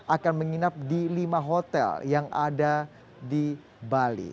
akan menginap di lima hotel yang ada di bali